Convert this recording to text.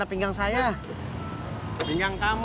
tapi gue masih bicara kan ngerumah sakit